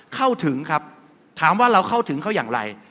เข้าถึงครับถามว่าเราเข้าถึงเขาอย่างไร